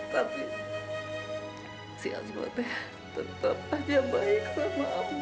tapi si asma tuh tetap aja baik sama ambo